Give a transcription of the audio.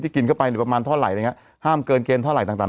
กินเข้าไปเนี่ยประมาณเท่าไหร่อะไรอย่างเงี้ห้ามเกินเกณฑ์เท่าไหร่ต่าง